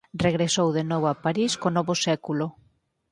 Regresou de novo a París co novo século.